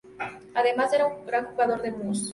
Además, era un gran jugador de mus.